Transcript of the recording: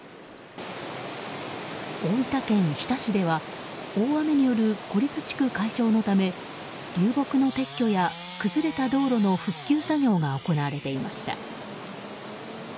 大分県日田市では大雨による孤立地区解消のため流木の撤去や崩れた道路の復旧作業が行われていました。